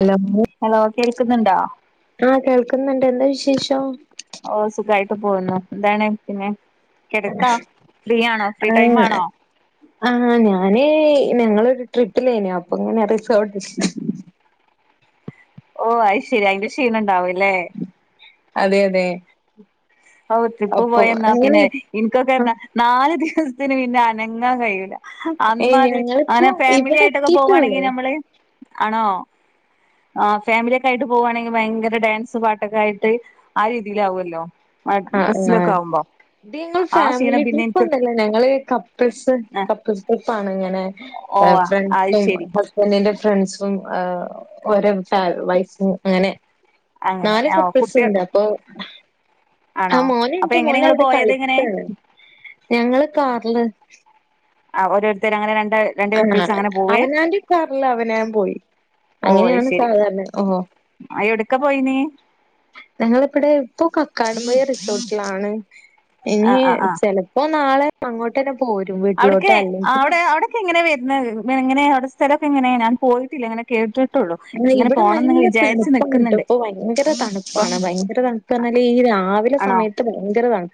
Hello hello കേൾക്കുന്നുണ്ടോ ആഹ കേൾക്കുന്നുണ്ട് എന്താ വിശേഷം ഓ സുഖായിട്ട് പോന്നു എന്താണ് പിന്നെ കെടത്താ ഫ്രീ ആണോ ഫ്രീ ആ ടൈം ആണോ ആ ഞാനേ ങ്ങളൊരു ട്രിപ്പിലനോ അപ്പൊ ഇങ്ങനെ റിസൊ ഓ അത് ശരി ഐന്റാഷീണണ്ടാവൂലെ അതെ അതെ ഓ ട്രിപ്പ് അപ്പൊ പോയന്നാ പിന്നെ അങ്ങനെ എനിക്കൊക്കെന്നാ നാല് ദിവസത്തിന് പിന്നെ അനങ്ങാൻ കഴിൂല ഏഹ് അമാതി ഞങ്ങളിപ്പോ അങ്ങനെ ഫാമിലി ഇവിടെ ആയിട്ടൊക്കെ എത്തിയിട്ടുള്ളൂ പോവാണെങ്കി നമ്മള് ആണോ ആ ഫാമിലിയൊക്കെ ആയിട്ട് പോകുവാണെങ്കിൽ ഭയങ്കര ഡാൻസ് പാട്ടൊക്കെ ആയിട്ട് ആ രീതിയില ആാവുമല്ലോ ആഹ് ബസ്സിലൊക്കെ ആഹ് ആകുമ്പോ ഇത് ഞങ്ങൾ ഫാമിലി ട്രിപ്പ് ഒന്നല്ലേ ഞങ്ങള് കപ്പിൾസ് കപ്പിൾസ് ട്രിപ്പ ആാണ് ഇങ്ങനെ ഓ അത് ഫ്രൻസ് ശരി ഹസ്ബൻഡിന്റെ ഫ്രണ്ട്സും ഓരോ വൈഫും അങ്ങനെ അങ്ങനെ നാല് ആ കപ്പിൾസ് കുട്ടികൾ ഉണ്ട് അപ്പൊ ആ ആണോ മോന അപ്പൊ എ എങ്ങനെ മോന നിങ്ങള് അവിടെ പോയത് എങ്ങനെ കളിക്കാണ് ഞങ്ങള് കാറില് ആ ഓരോരുത്തർ അങ്ങെ രണ്ട് രണ്ട് ആഹ കപ്പിൾസ് അങ്ങനെ പോവേ അവനാന്റെ കാാറല്ല അവന ൻ പോയി ഓ അങ്ങനെയാണ് സാധാരണ ഓഹോ ഒക്കെ പോയിനിീ ഞങ്ങളിപ്പടെ ഇപ്പൊ കക്കാടമയ റിസോർട്ടിലാണ് ആ ഇനി ചെിലപ്പോ നാളെ അങ്ങോട്ട് അവിടക്ക അവിടെ അവിടെൊക്കെ എങ്ങനെ വരുന്നത് എങ്ങനെ അവിടെ സ്ഥലൊക്കെ ഇങ്ങന ഞാൻ പോയിട്ടില്ല ഇങ്ങന കേട്ട് അ ഇവിടെ നല്ല തണുപ്പാണ് ക കേട്ടോ നിക്കുന്നുണ്ട് ഇപ്പൊ ഭയങ്കര ഇപ്പൊ തണുപ്പാണ് ഭയങ്കര തണുപ്പ എന്ന ഈ രാവിലെ ആണോ സമയത്ത് ഭയങ്കരാണ്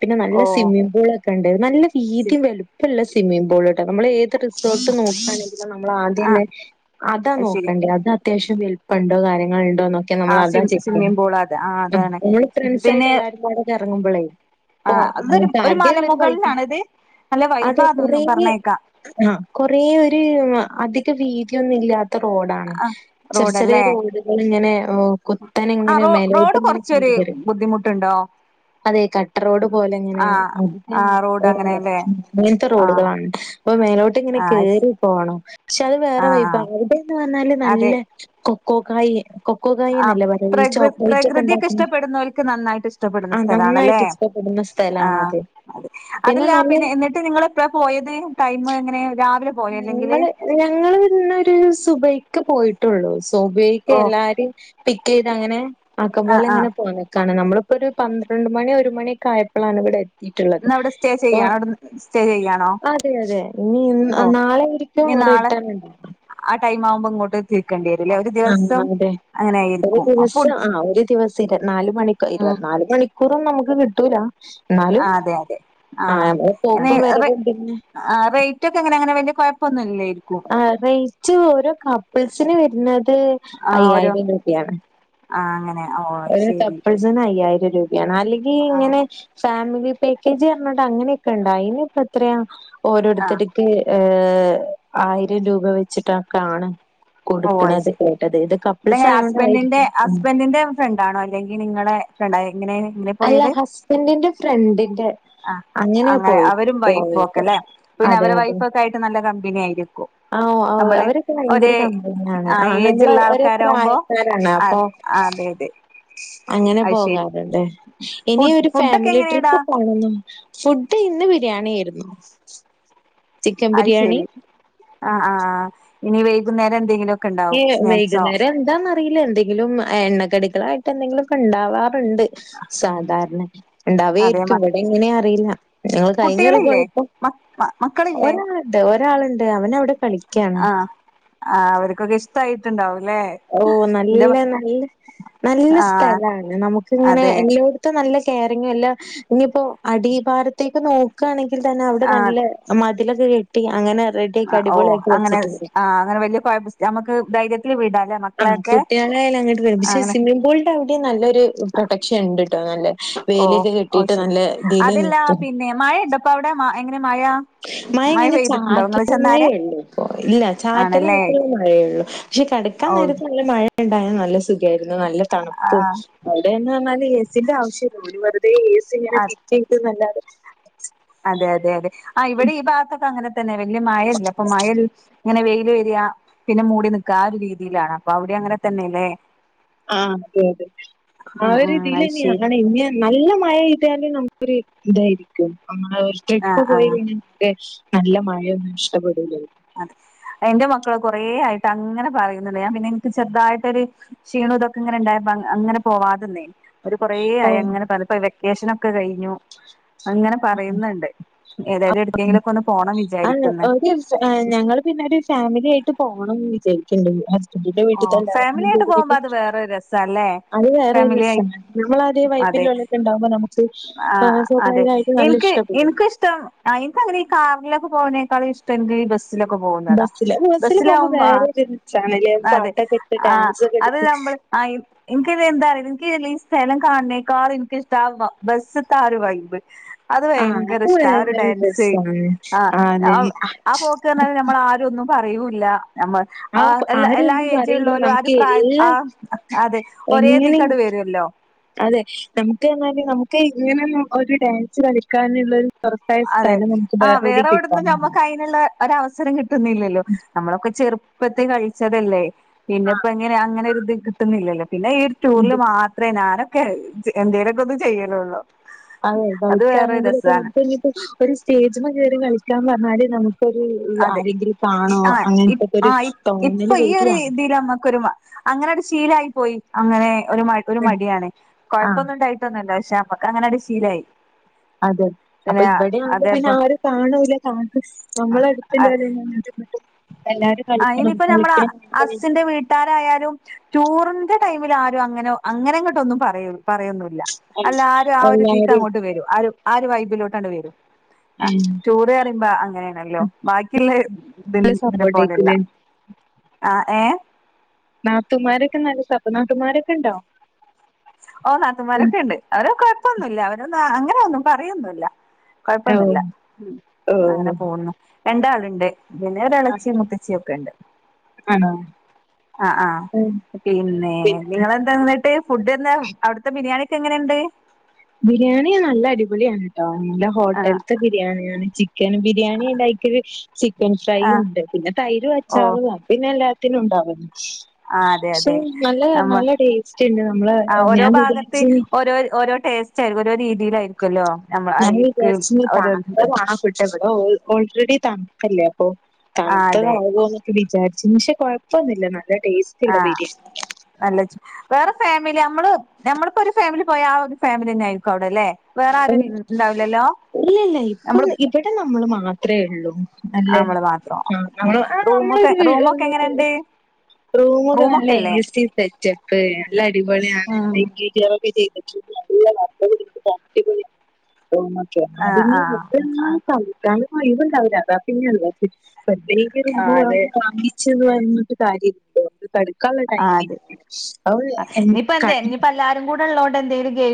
പിന്നെ നല്ല ഓ സ്വിമ്മിംഗ പൂളൊക്കെ ഉണ്ട് നല്ല സി- രീതിയും വലുപ്പമല്ല സ്വിമ്മിംഗ പൂളിലട്ടോ നമ്മൾ ഏത് റിസോർട്ട് നോക്കാണെങ്കിലും നമ്മൾ ആദ്യം ആ തന്നെ അതാ അത് നോ ശരി അത് അത്യാവശ്യം വലിപ്പുണ്ടോ കാര്യങ്ങൾണ്ടോ ോന്നൊക്കെ ആ നമ്മൾ അ സ്വിം ചെക്ക് സ്വിമ്മിംഗ് പൂൾ അത് ആ അതാണ് നമ്മൾ ഫ്രണ്ട്സ് ആയിട്ട് പിന്നെ എല്ലാക്കും അവിൊെ ഇറങ്ങുമ്പോളേ ആ ഓ അതൊരു നക്ക് ഒരു ആർക്ക ഉള്ളരു പൈപ്പ മലമുകളിലാണിത് നല്ല അതെ കൊറ വൈബാന്ന് പറഞ്ഞേക്കാം ആ കൊറ ഒരു രീതിയൊന്നുമല്ലാത്ത റോഡാണ് ആ ചെറിയ ചെറിയ റോഡല്ലേ റോഡുകൾ ഇങ്ങനെ കുത്തൻ ആ ഇങ്ങനെ റോ മേലട്ട് റോഡ് കുറച്ചൊരു ഇങ്ങനെറ ബുദ്ധിമുട്ടുണ്ടോ അതെ കട്ടറോഡ് പോലെ അങ്ങനെ ആഹ് അാം ആഹ് റോഡ് അങ്ങനെയല്ലേ അങ്ങനത്തെ ആഹ് റോഡുകളാണ് അപ്പ മേലോട്ട് ഇങ്ങനെ ആഹ് കേറി പോണംോ പക്ഷെ അത് വേറെ വൈ ആഹ് ല്ല അതെ നല്ല കൊക്കോക്കായ കൊക്കോ ആഹ് കായന്നല്ലേ പറയാ ഈ പ്രകൃ ചോക്ലേറ്റ് ഒക്കെ പ്രകൃതിയൊക്കെ ഉണ്ടാക്ക ഇഷ്ടപ്പെടുന്നവർക്ക് നന്നായിട്ട് ഇഷ്ടപ്പെടുന്ന ആ നന്നായിട്ട് സ്ഥലമാണല്ലേ ഇഷ്ടപ്പെ വുന്ന സ്ഥലണ ആഹ് അത് അതെ അതല്ല പിന്നെ എന്നിട്ട് നിങ്ങ ഇപ്പ പോയത് ടൈമ അങ്ങനെ രാവിലെ പോയോ അല്ലെങ്കില് ഞങ്ങള് ഞങ്ങന്നരു സുബയ്ക്ക് പോയിട്ടുള്ളൂ സോപക്ക് ഓ എല്ലാരും പിക്ക് ചെയ്ത് അങ്ങനെ ആക്ക പോലെ ആഹ് ആഹ് ഇങ്ങനെ പോ നമ്മള് ഇപ്പൊ ഒരു പന്ത്രണ്ട് മണി ഒരു മണി ഒക്ക ആയപ്പോഴാണ് ഇവിടെ ട്ടുള്ളത് ഇന്ന് അവിടെ സ്റ്റേ ഇപ്പൊ ചെയ്യാണോ അവിടെ സ്റ്റേ ചെയ്യാണോ അതെ അതെ ഇനി ഓ നാളെ ആരിക്കും റിട്ടേൺ ഉണ്ടാവോ വുമ്പോ ഇങ്ങോട്ട് തീർക്കേണ്ടി വരല്ലേ ഒരു ദിവസം അതെ അങ്ങനെ ഒരു ആയിരിക്കും ദിവസം ഫുഡ് ആ ഒരു ദിവസം ഇ നാല മണി ഇരുപ ആഹ് നാല മണി കുറും നമുക്ക് കിട്ടൂല എന്നാലും അതെ അതെ ആഹ് നമ്മളെ ആെ പോക്കും വരവും പിന്നെ റേറ്റ് ഒക്കെ എങ്ങനെ അങ്ങനെ വല ആറേറ്റ് ഓരോ കപ്പിൾസിന് വരുന്നത് ത് ആഹ് ഒരു അയ്യായിരം രൂപയാണ് ആഹ് അങ്ങനെ ഓ ഒരു ശരി തപ്പൾസന അയ്യായിരം രൂപയാണ് അല്ലെങ്കിൽ ആഹ് ഇങ്ങനെ ഫാമിലി പാക്കേജ് പറഞ്ഞിട്ട് അങ്ങനെയൊക്കെ ഉണ്ട അയിനി ഇപ്പ എത്രയാ ആഹ് ഓരോരുത്തർക്ക് ഏഹ ആയിരം രൂപ വെച്ചിട്ടൊക്കെ ആണ് ഓ അത് കൊടുക്കണത് ശരി കേട്ടത് ഇത് കപ്പിൾസ് ഇതെങ്ങനെ ഹസ്ബൻഡിന്റെ ആയൊണ്ടായിരിക്കും ഹസ്ബൻഡിന്റെ ഫ്രണ്ടാണോ അല്ലെങ്കിൽ നിങ്ങളെ ഫ്ര അല്ല ഹസ്ബൻഡിന്റെ ഫ്രണ്ടിന്റെ ആഹ് അങ്ങനെയാ അങ്ങനെ പോയിട്ട് അവരും വൈഫും ഒക്കെ പോയത് അല്ലെ പിന്നെ അതെ അവരെ അതെ വൈഫൊ ഒക്കെ ആയിട്ട് നല്ല കമ്പനി ആയിരിക്കും ആഹ് ഓഹ് നമ്മള് അവരൊക്കെ ഭയങ്കര ഒരേ കമ്പനിയാണ് ആ ആഹ് നമ്മള് ഏജള്ള ഒരേ ആൾക്കാരാവുമ്പോ പ്രായക്കാരാണ് ആ അപ്പൊ അതെ അതെ അങ്ങനെ അത് ശരി പോകാറുണ്ട് ഇനി ഫുഡ് ഒരു ഫുഡൊക്കെ ഫാമിലി എങ്ങനെടാ ട്രിപ്പ് പോണുന്നു ഫു് മറ്റേ ഇന്ന് ബിരിയാണിയിരുന്നു അത് ശെരി ആ ആ്് ഇനി വൈകുന്നേരം എന്തെങ്കിലും ഒക്കെ ഏ ഉണ്ടാവും സ്നാക്സോ വൈകുന്നേരം എന്താന്ന്റിയില്ല എന്തെങ്കിലും എണ്ണക്കടികളായിട്ട് എന്തെങ്കില ഒക്കെ ഉണ്ടാവാ ണ്ട് ഉം സാധാരണ ഉണ്ട് അതെ അവയായിരിക്കും മ ഇവിടെ ഇങ്ങനെ അറിയില്ല ഞങ്ങൾ കഴിഞ്ഞറി പോയ കുട്ടികളില്ലേ മ മക്കളില്ലേ ഒരാളുണ്ട് ഒരാളുണ്ട് അവന അവിടെ കളിക്ക ആഹ ആ അവർക്കൊക്കെ ഇഷ്ടായിട്ടുണ്ടാവില്ല ഓ നല്ല നല്ല നല്ല ആ സ്ഥലമാണ് നമുക്ക് ഇങ്ങനെ അതെ എല്ലായിടത്തും നല്ല കറിങ്ങ അല്ല ഇനിയിപ്പോ അടിഭാരത്തേക്ക് നോക്കുകയാണെങ്കിൽ തന്നെ അവിടെ നല്ല അതില കെട്ടി അങ്ങനെ ആ റെഡിയാക്കി ഓ അടിപൊളിയാക്കി അങ്ങനെ വെച്ചിട്ടുണ്ട് ആ അങ്ങനെ വലിയ കുഴ നമുക്ക് ധൈര്യ ആ കുട്ടികളായാലും അങ്ങോട്ട് വരും പക്ഷെ അങ്ങനെ സ്വിമ്മിംഗ പൂളിന്റെ അവിടെയും നല്ലൊരു പ്രൊട്ടക്ഷൻ ഉണ്ട് കേട്ടോ നല്ല ഓ വേലിയൊക്കെ ഓ കെട്ടിട്ട് ശരി നല്ല ഇതിൽ അതല്ല നിത്തും ആ മഴ ഇങ്ങനെ ചാറ്റ മഴേയള്ളു ഇപ്പ ഇല്ല ചാറ്റല്ല ആണല്ലേ മട്ടുള്ള മഴയള്ളൂ പക്ഷെ കടക്കാ ഓ നേര നല്ല മഴയണ്ടായ ന സുഖരുന്നു നല്ല ആ തണുും അ അ സന അ ചച്ച വല്ലെ അതെ അതെ അതെ ആ ഇവിടെ ഈ ഭാഗത്തൊക്കെ അങ്ങനെ തന്നെ വലിയ മഴല്ല അപ്പൊ മഴൽ ഇങ്ങനെ വ രിയാ പിന്നെ മൂടി നിക്ക ആ ഒരു രീതിയിലാണ് അപ്പൊ അവിടെ അങ്ങനെ തന്നെല്ലേ ആ അതെ അതെ ആ ഉം ഉം ഇതിൽ അത് ഇനി ശരി ആാണ് ഇനി നല്ല മഴ ചെയ്താലും ന ഇതായിരിക്കും അമ്മെ ഒരു ആ ട്രിപ്പ് ആ പോയി കഴിഞ്ഞാൽ നല്ല മഴയൊന്നും ഇഷ്ടപ്പെടൂല അതെ എന്റെ മക്കള് കൊറേ ആയിട്ട് അങ്ങനെ പറയുന്നുണ്ട് ഞാൻ പിന്നെ എനിക്ക് ചെറതായിട്ടൊരു ീ ഇതൊക്കെ ഇങ്ങനെണ്ട അങ്ങനെ പോവതന്നെ ഒരു കൊറെ ആയി ഓഹ് അങ്ങനെ പറ ഇപ്പൊ വെക്കേഷനൊക്കെ കഴിഞ്ഞു അങ്ങനെ പറയുന്നുണ്ട് ഏതായാലും എടുക്കെങ്കിലൊക്കെ ഒന്ന് പോണം വിചാരിക്കുന്ന ഞങ്ങൾ പിന്നെ ഒരു ഫാമിലി ആയിട്ട് പോകണംന്ന് വിചാരിക്കുന്നുണ്ട് ന്റെ ഓ വീട്ടത്തെ ഫാമിലി ആയിട്ട് പോകുമ്പോ എല്ലാവരും അത് വേറൊരു രസാല്ലേ അത് വേറെ ഫാമിലി ആയി നമ്മളത ബല്ലൊക്കെണ്ടുമോ നമക്ക് ആഹ അതെ എനിക്ക് ഇഷ്ടപ്പെടും. എനക്കുംഷ്ടം അയിന് അങ്ങനെ ഈ കാറൊക്കെ പോതിനേക്കാൾ ഇഷ്ടം എ ഈ ബസ് ബസ്സിൽ ഒക്കെ പോവുന്നതാ ബസ്സില് ബസ്സില് ബസ്സിൽ പോകുമ്പോ ആവുമ്പോ വേറൊരു രസാണ്ല്ലേ. ആ അതെ പാട്ടൊക്കെ ഇട്ട് ആ ഡാൻസൊക്കെ അത് കളിച്ച് ആ ഇൻക്ക് ഇത് എന്താ സ്ഥലം കാണ്ണേക്കാൾ എനിക്കിഷ്ടം ബസ്ത്തെ ആ ഒരു വൈ്ബ് അത് ആഹ് ഭയങ്കര അത് ഇഷ്ട ആ ഒരു വേറൊരു ഡാൻസ് രസാണ്. ആ അതെ ആ പോക്ക് പറഞ്ഞാല് നമ്മള ആരൊന്നും പറയൂല്ല നമ്മൾ ആ എ ആരും എല്ലാ ഒന്നും പറയില്ല. ഏജിള്ളോലും ആ നമുക്ക് പ്രായ ആ എല്ലാം അതെ എങ്ങനിം ഒരേതീക്കങ്ങട് വരും അല്ലോ അതെ നമുക്ക് എന്നാല നമുക്ക് ഇങ്ങനെ ഒരു ഡാൻസ് കളിക്കാനുള്ള അതെ ആ വേറെവിടുന്നും കിട്ടാനില്ല. നമ്മുക്ക് അതിനുള്ള ഒര് അവസരം കിട്ടുന്നില്ലല്ലോ നമ്മളൊക്കെ ചെറുപ്പ ചെറുപ്പത്ത് കളിച്ചതല്ലേ പിന്നെ ഇപ്പ എങ്ങനെ അങ്ങനെ ഒരു ഇത് കിട്ടുന്നില്ലല്ലോ പിന്നെ ഈ ഒരു ആഹ് ടൂറിൽ മാത്രമേ ഞാനൊക്കെ എന്തേലൊക്കെ ഒന്ന് ചെയ്യലള്ളൂ അതെ കളിക്കാണെങ്കിലൊക്കെ നമുക്ക് ഇങ്ങട്ട് ഒരു സ്റ്റേജ്മേ കയറി കളിക്കാൻ പറഞ്ഞാല് നമുക്ക് ഒരു അതെ ആരെങ്കിലും കാണോ ആഹ് അങ്ങനത്തെക്കെ ഒരു ആഹ് ഇപ്പൊ തോന്നല് ഈ ഒരു വരാണ് ഇതിൽ നമ്മുക്കൊരു അങ്ങനെ ഒരു ശീലമായിട്ട് പോയി അങ്ങനെ ഒരു മ ഒരു മടിയാണ് ആഹ് കുഴപ്പമൊന്നും ഉണ്ടായിട്ടൊന്നല്ല പക്ഷ അങ്ങനെ അ ഒരു ശീലായി അതെ അപ്പൊ പിന്നെ ഇവിടെ ആവുമ്പോ പിന്നെ അതേപ്പ ആരും കാണില്ല നമ്മളടു ആ ആ കളിക്കണം ഇനിയിപ്പ നമ്മള കളിക്കണം അസിന്റെ വീട്ടാരായാലും ടൂറിന്റെ ടൈമിൽ ആരും അങ്ങനെ അങ്ങനെ അങ്ങോട്ട ഒന്നും പറയ പറയൊന്നൂ ല്ല അല്ല ആരും ആ ഒരുദീക്ക എല്ലാരും അങ്ങോട്ട് വരും ആ ആ ഒരു വൈബിലോട്ടണ്ട് വരും ആ ടൂറ് അറിയുമ്പോ അങ്ങനെയണല്ലോ ബാക്കിയുള്ള നല്ല ഇതിനെ പോല അല്ല സപ്പോർട്ടേക്കുലേ ആഹ് ഏഹ് നാതൂമാരൊക്കെ നല്ല സപ്പ് നാതൂമാരൊക്കെ ഉണ്ടോ ഓ നാത്തുന്മാരൊക്കെ ഉണ്ട് അവര് കൊഴപ്പൊന്നുല്ല അവരൊന്നും അങ്ങനെഒന്നും പറയൊന്നുഇല്ല കൊഴപ്പൊന്നില്ല ഓഹ് മു അങ്ങനെ ഓഹ് പോന്നു രണ്ടാളിണ്ട് പിന്നെ ഒരു ഇളച്ചി മുത്ത്ച്ചി ഒക്കെ ഉണ്ട് ആണോ ആഹ് ആഹ് ഉം. പിന്നെ പിന്നെ നിങ്ങെളെന്താന്നിട്ട് ഫുഡ് എന്താവു അവിടുത്തെ ബിരിയാണി ഒക്കെ എങ്ങനെണ്ട് ബിരിയാണി നല്ല അടിപൊളിയാണ് ട്ടോ നല്ല ആ ആ ഹോട്ടല്ത്തെ ബിരിയാണിയാണ് ചിക്കനും ബിരിയാണി ഉണ്ടാകു ചിക്കൻ ഫ്രൈയും ആഹ് ഉണ്ട് പിന്നെ തൈര് ഓ അച്ചാറുവാ പിന്നെല്ലാ ത്തിനു ഉണ്ടാവുന്നു ആഹ് അതെ പക്ഷെ അതെ നല്ലത നമ്മ നല്ല ടേസ്റ്റ്ണ്ട് നമ്മളെ ആഹ് ഞാൻ വിചരിച്ചു ചെലവാര് ഓരോ രീതില് ആരിക്കുല്ലോ ഞാ വിചാരിച്ചീനി പാട്ടെ കാണപ്പെട്ടെ ഇവിടെ ഓ ഓൾറെഡി തണുപ്പല്ലേ അപ്പൊ ആഹ് തണുത്തത അതെ ആവോ എന്നൊക്കെ വിചാരിച്ച് പക്ഷെ കുഴപ്പൊന്നു ഇല്ലാന്ന് ആഹ നല്ലച്ച് വേറെ ഫാമിലി നമ്മള് നമ്മളിപ്പോഒരു ഫാമിലി പോയാ ആ ഒരു ഫാമിലിതാന്നെ ആരിക്കുംആവിടല്ലെ ഉം ഇല്ല ഇല്ല ഇപ്പൊ നമ്മള് ഇവിടെ നമ്മൾ മാത്രേ ഉള്ളൂ അല്ലെ നമ്മള് മാത്രം ആഹ് നമ്മൾ ആഹ് റൂമൊക്കെ നമ്മളൊരു വി റൂമൊക്കെ വിട് എങ്ങനെയുണ്ട് റൂം ഒക്കെ നല്ല റൂമൊക്കെല്ലേ എ. സി. സെറ്റപ്പ് നല്ല അടിപൊളിയാണ് ഉം നല്ല ഇന്റീരിയർ ഒക്കെ ചെയ്ത് ഇല്ല ഇല്ലടാ ഹസ്ബൻഡ് തിരിച്ചു പോം റൂമൊക്കെ ആഹ് അതിന് ആഹ് മുമ്പ്ന്നാ ആഹ് കാളിക്കൻ ഒരു വൈബ് ഉണ്ടാവില്ല അതാ പിന്നെ [unintelligible] പന്ത്‌നിച്ചർ മുൻപ് ആഹ് അതെ വാങ്ങി വാങ്ങിച്ചെന്ന് പറഞ്ഞിട്ട് കാര്യഇണ്ടോ അത് കെടക്കൊള്ള ടൈം [unintelligible] ക ഇത്ള്ളോണ്ട് എന്തേലും ഗെയിമോ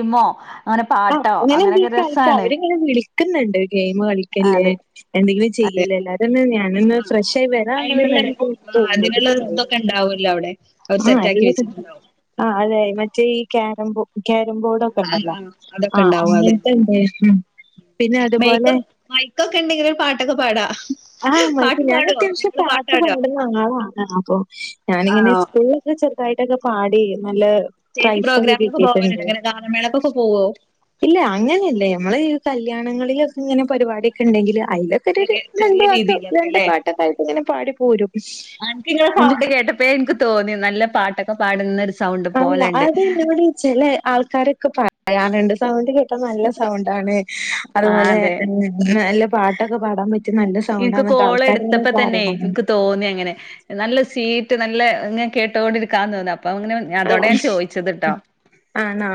അങ്ങനെ ആഹ് പാട്ടോ അപ്പങ്ങനെ അങ്ങനെയൊക്കെ വിളിക്ക കളിക്ക രസാണ് അവരിങ്ങനെ വിളിക്ക്ന്ന്ണ്ട് ഗെയിമ് കളിക്കല്ലേ അതെ എന്തെങ്കിലും ചെയ്യ് ആഹ് ഇല്ലല്ലാ പിന്നെ ഞാൻ നിന്ന് ഫ്രഷായി വരാ എന്നുള്ള അയിനുള്ള ആഹ് അതിനുള്ള ഇതൊക്കെ [unintelligible] ഉണ്ടാവല്ലോ അവിടെ അവര് ആഹ് സെറ്റ് ആക്കി എല്ലതും. വെച്ചിട്ടുണ്ടാവും ആഹ് അതെ മറ്റേ ഈ ക്യാരം ക്യാരം ബോഡൊക്കെ ആഹ് ഉണ്ടല്ലോ? ആഹ് അതൊക്കെ ആഹ് ഉണ്ടാവും അങ്ങനത്തെ അതന്നെ ഇണ്ട് ഹിം പിന്നെ അതുപോലെ മൈക്ക് മൈക്കൊക്കെ ഉണ്ടെങ്കിൽ ഒരു പാട്ടൊക്കെ പാടാ ആഹ് മൈക്ക് പാട്ട് ഞാൻ പാടുവോ അത്യാവശ്യം നിങ്ങള് പാ പാട്ട് പാട്ടാടോ പാടുന്ന ആളാണ് അപ്പൊ ഞാനിങ്ങനെ ആണോ സ്കൂളൊക്കെ ചെറുതായിട്ടൊക്കെ പാടി നല്ല സ്റ്റേജ് പ്രൈസൊക്കെ പ്രോഗ്രാമിനൊക്കെ പോവലുണ്ടോ കിട്ടിട്ടുണ്ട്. ഇങ്ങനെ ഗാനമേളക്കൊക്കെ പോവോ ഇല്ല അങ്ങനെയല്ല ഞമ്മള് കല്യാണങ്ങളിലൊക്കെ ഇങ്ങനെ പരിപാടിക്കെ ഇണ്ടെങ്കില് അയിലൊക്കൊരുരു ചെറിയ രണ്ടു ചെറിയ വാക്ക് രീതിയിലൊക്കെ രണ്ട് അല്ലേ പാട്ടൊക്കൊയിട്ട് ഇങ്ങനെ പാടി പോരും. ട്ടപ്പേ എനിക്ക് തോന്നി നല്ല പാട്ടൊക്കെ പാടുന്നൊരു അല്ല അതെ നമ്മുടെ ചില ആൾ ക്കാരൊക്കെ പറയാറുണ്ട് സൗണ്ട് കേട്ടാ നല്ല സൗണ്ടാണ് ആഹ് അതുപോലെ അതെ നല്ല പാട്ടൊക്കെ പാടാൻ പ എനിക്ക് കോള് എടുത്തപ്പോ തന്നേ എനിക്ക് തോന്നി അങ്ങനെ നല്ല സീ റ്റ് നല്ല ഇങ്ങനെ കേട്ടൊണ്ടിരിക്കാ തോന്ന അ ആഹ് ആണോ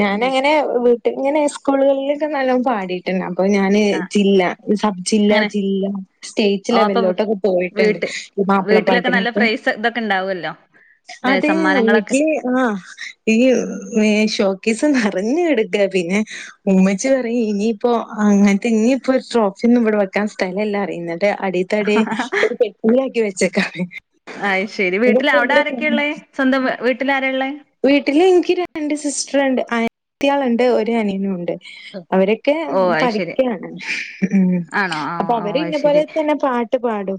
ഞാന് ഉം അങ്ങനെ വീട്ടിൽ ഇങ്ങനെ സ്കൂളുകളിലൊക്കെ നല്ലോ പാടിയിട്ടുണ്ട് ന അപ്പൊ ഞാന് ആഹ് ജില്ല സബ് ജില്ല അങ്ങനെ ജില്ല സ്റ്റേറ്റ് ഓ അപ്പൊ വീ- ലെവലിലോട്ടൊക്കെ പോയിട്ടുണ്ട്. വീട്ട് ഈ വീട്ടിലൊക്കെ നല്ല മാപ്പിളപ്പാട്ടിനൊക്കെ. പ്രൈസ് ഇതൊക്കെ ഇണ്ടാവു അല്ലോ? അതെ വീട്ടി ആഹ് ഈ ഷോക്കീസ് അറിഞ്ഞെടുക്ക പിന്നെ ഉമ്മച്ചി പറയും ഇനിയിപ്പോ അങ്ങനത്തെ ഇനിപ്പോ ട്രോഫി ഒന്നും ഇവിടെ വെക്കാൻ സ്ഥലില്ല അറീം എന്നിട്ട് അടിത്തടി ഒരു പെട്ടീലാക്കി വെച്ച്ക്കാണ്. ശെരി വീട്ടിൽ അവിടെ ആരൊക്കെയാ ഉള്ളെ സ്വന്തം വീ വീട്ടില് ആരാ ഇള്ളെ വീട്ടില് എനിക്ക് രണ്ട് സിസ്റ്ററിണ്ട് അനിത്തിയാളുണ്ട് ഒരു അനിയനും ഉണ്ട്. അവരൊക്കെ ഓ അത് ശരി പഠിക്കാണ് ഉം ആണോ ആ അപ്പൊ ഓ അവര് അത് ഇന്ന പോലെ ശരി തന്നെ പാട്ട് പാടും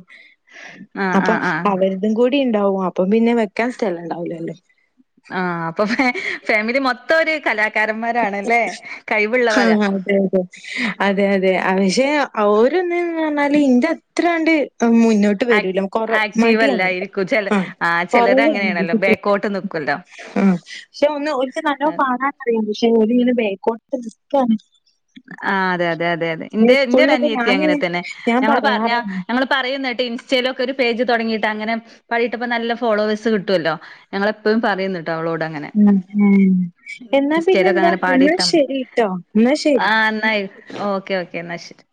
ആഹ് അപ്പൊ ആഹ് ആഹ് അവരിതും കൂടി ഇണ്ടാവും അപ്പം പിന്നെ വെക്കാൻ സ്ഥലം ഇണ്ടാവൂലല്ലേ ആ അപ്പൊ ഫാമിലി മൊത്തം ഒരു കല ആ അതെ അതെ അതെ അതെ അതെ പക്ഷെ അവോര്ന്ന് പറഞ്ഞാല് ഇൻ്റ അത്രാണ്ട് മുന്നോട്ട് ആക് വരൂല കൊറ ആക്റ്റീവ് മടിയാണ് അല്ലായിരിക്കും ചെല ആ ചിലര് കൊറവാണ് അങ്ങനെയാണല്ലോ ബേക്കോട്ട് നിക്കുവല്ലോ ആ പക്ഷെ ഒന്ന് ഒരിക്ക നല്ലോ പാടാനറിയാം പക്ഷെ ഒല്ങ്ങനെ ബേക്കോട്ട് നിക്കാണ് ആ അതെ അതെ അതെ അതെ അതെ പിന്നെ ഇൻ്റെ ഇന്റെ ഒരു സ്കൂളിലൊക്കെ ഞാന് അനിയത്തിയങ്ങനെ തന്നെ ഞാൻ ഞങ്ങള് പറ പറയാറുണ്ട്. ഞങ്ങള് പറയുന്ന കേട്ട് ഇൻസ്റ്റലോക്കെ ഒരു പേജ് തുടങ്ങിട്ട് അങ്ങനെ [unintelligible] നല്ല ഫോളോവേഴ്സ് കിട്ടുവല്ലോ ഞങ്ങളെപ്പോഴും പറയുന്നുണ്ട് അവളോട് അങ്ങനെ ഉം. ഉം. എന്നാ ഇൻസ്റ്റലൊക്കെ പിന്നെന്താ? അങ്ങനെ എന്നാ പാടിട്ടാ ശരിട്ടോ. എന്നാ ശരി. ആ എന്ന ഓക്കെ ഓക്കെ എന്നാ ശരി